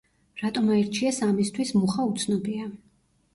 რატომ აირჩიეს ამისთვის მუხა უცნობია.